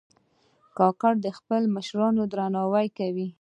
کاکړ د خپلو مشرانو درناوی کوي.